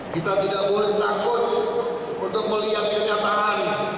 kita tidak boleh takut untuk melihat kenyataan